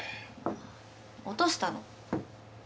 落としたの。